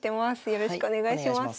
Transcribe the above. よろしくお願いします。